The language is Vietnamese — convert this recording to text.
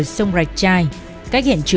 dùng dao phay cắt rời đầu